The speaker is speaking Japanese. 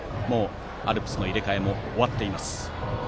アルプスの入れ替えももう終わっています。